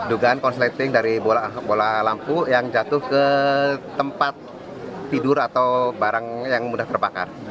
dugaan konsleting dari bola lampu yang jatuh ke tempat tidur atau barang yang mudah terbakar